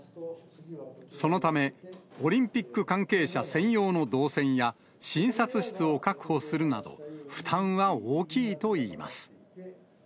そのため、オリンピック関係者専用の動線や、診察室を確保するなど、負担は大きいといいます。